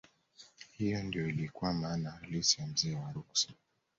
hiyo ndiyo ilikuwa maana halisi ya mzee wa ruksa